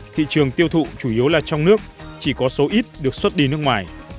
thị trường tiêu thụ chủ yếu là trong nước chỉ có số ít được xuất đi nước ngoài